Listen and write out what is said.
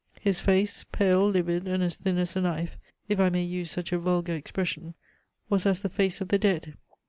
His face, pale, livid, and as thin as a knife, if I may use such a vulgar expression, was as the face of the dead.